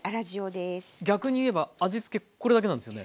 逆に言えば味付けこれだけなんですよね。